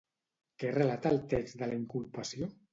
Què relata el text de la inculpació?